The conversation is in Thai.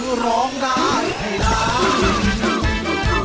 คือร้องได้ให้ร้าน